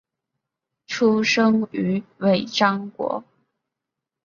出生于尾张国。